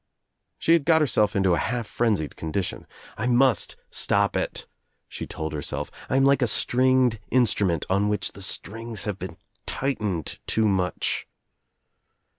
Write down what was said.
She had got herself into a half frenzied condition. "I must stop it," she told herself. "I am like a stringed instrument on which the strings have been tightened too much."